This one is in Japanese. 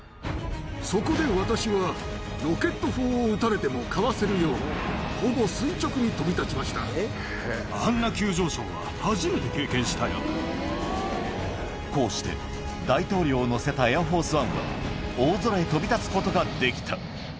そこで私は、ロケット砲を撃たれてもかわせるよう、あんな急上昇は初めて経験しこうして、大統領を乗せたエアフォースワンは大空へ飛び立つことができた。